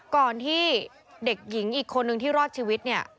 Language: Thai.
ก่อนที่เด็กหญิงอีกคนนึงที่รอดชีวิตเนี่ย